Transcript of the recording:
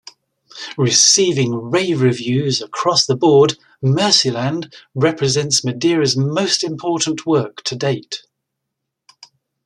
Receiving rave reviews across the board, "Mercyland" represents Madeira's most important work to date.